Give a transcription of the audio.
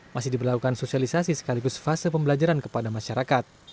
pagi ini kita enam tiga puluh sudah melaksanakan